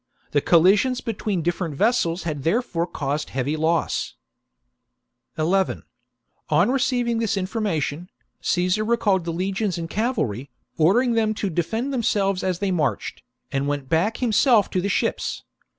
The collisions between different vessels had therefore caused heavy loss. Caesar II. Onrcceivlttg this information, Caesar re the"coLt° called the legions and cavalry, ordering them to damage, dcfcnd themsclvcs as they marched,^ and went navluamp"^ back himsclf to the ships.